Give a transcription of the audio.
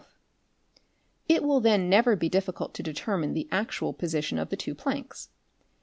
it will then never be difficult to determine the actual position " b of the two planks.